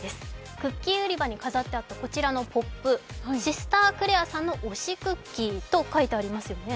クッキー売り場に飾ってあったこちらのポップ、シスタークレアさんの推しクッキーと書いてありますよね。